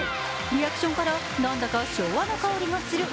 リアクションから何だか昭和の香りがする。